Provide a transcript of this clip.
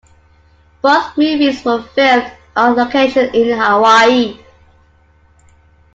Both movies were filmed on location in Hawaii.